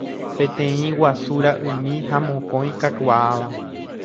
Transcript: Peteĩ guasu ra'ymi ha mokõi kakuaáva.